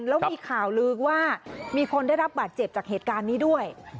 แล้วมีข่าวลือว่ามีคนได้รับบาดเจ็บจากเหตุการณ์นี้ด้วย